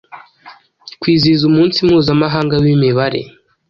kwizihiza Umunsi Mpuzamahanga w’Imibare